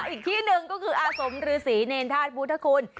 อีกที่หนึ่งก็คืออาสมรือศรีเนรทาสพุทธคุณ